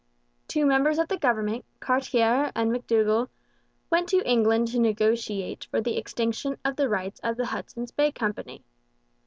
Two members of the government, Cartier and McDougall, went to England to negotiate for the extinction of the rights of the Hudson's Bay Company.